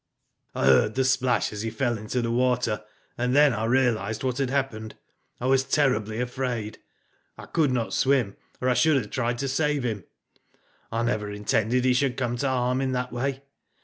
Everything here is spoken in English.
" I heard the splash as he fell into the water, and then I realised what had happened. I was terribly afraid. I could not swim, or I should have tried to save him. I never intended he should come to harm in that way.